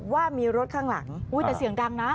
ว่ามีรถข้างหลังแต่เสียงดังนะ